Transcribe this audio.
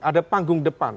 ada panggung depan